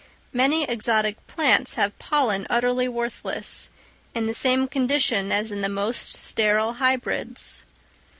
Many exotic plants have pollen utterly worthless, in the same condition as in the most sterile hybrids.